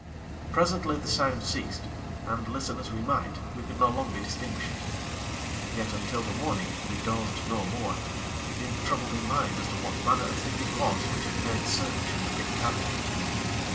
Presently, the sound ceased, and, listen as we might, we could no longer distinguish it. Yet, until the morning, we dozed no more; being troubled in mind as to what manner of thing it was which had made search in the big cabin.